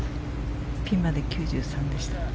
ピンまで９３でした。